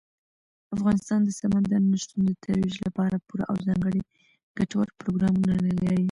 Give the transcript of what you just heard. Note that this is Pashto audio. افغانستان د سمندر نه شتون د ترویج لپاره پوره او ځانګړي ګټور پروګرامونه لري.